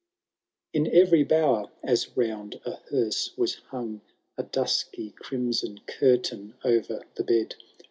V. In every bower, as round a heane^ was hung A dusky crimson curtain o*er the bed.